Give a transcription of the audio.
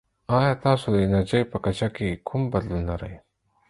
ایا تاسو د انرژي په کچه کې کوم بدلون لرئ؟